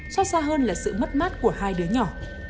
xót xa hơn là sự mất mát của hai đứa nhỏ